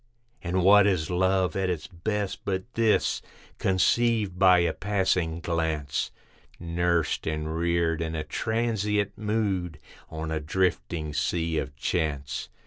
And what is love at its best, but this? Conceived by a passing glance, Nursed and reared in a transient mood, on a drifting Sea of Chance.